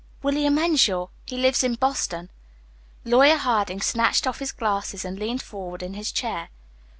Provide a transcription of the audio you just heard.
"William Henshaw. He lives in Boston." Lawyer Harding snatched off his glasses, and leaned forward in his chair.